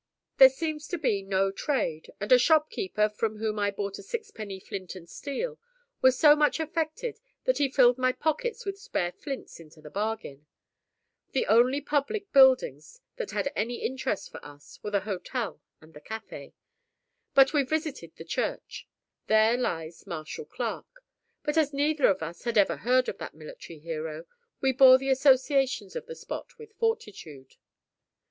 There seems to be no trade; and a shopkeeper from whom I bought a sixpenny flint and steel, was so much affected that he filled my pockets with spare flints into the bargain. The only public buildings that had any interest for us were the hotel and the café. But we visited the church. There lies Marshal Clarke. But as neither of us had ever heard of that military hero, we bore the associations of the spot with fortitude.